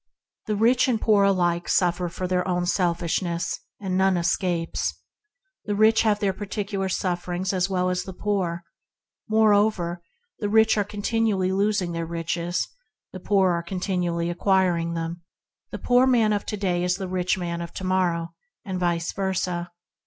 The rich and the poor alike suffer for their own selfishness; and none escape. 34 ENTERING THE KINGDOM The rich have their particular sufferings as well as the poor. Moreover, the rich are continually losing their riches; the poor are continually acquiring them. The poor man of to day is the rich man of to morrow, and vice versa.